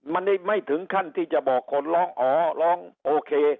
มันไม่ถึงขั้นที่จะบอกคนร้องอ๋อร้องโอเค